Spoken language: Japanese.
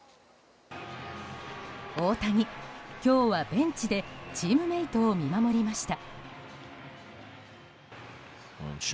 大谷、今日はベンチでチームメートを見守りました。